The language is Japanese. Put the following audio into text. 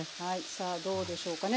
さあどうでしょうかね。